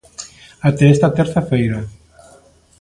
Até esta terza feira.